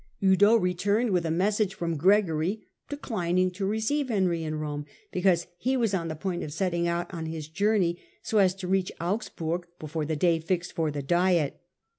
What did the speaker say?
Udo returned with a Germany, message from Gregory, declining to receive t'^^ Hemy in Rome, because he was on the point of setting out on his journey, so as to reach Augsburg before the day fixed for the diet.